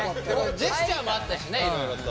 ジェスチャーもあったしねいろいろと。